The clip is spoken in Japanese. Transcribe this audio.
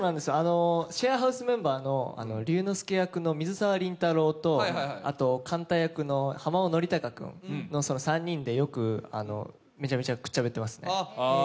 シェアハウスメンバーの龍之介役の水沢林太郎とあと、寛太役の濱尾ノリタカ君、その３人でめちゃくちゃしゃべっています。